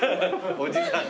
おじさん。